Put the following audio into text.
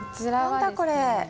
何だこれ？